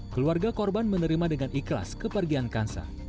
keluarga korban menerima dengan ikhlas kepergian kansa